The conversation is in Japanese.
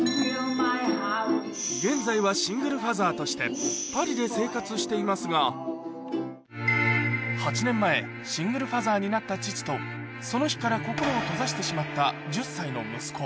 現在はシングルファザーとして、パリで生活していますが、８年前、シングルファザーになった父と、その日から心を閉ざしてしまった１０歳の息子。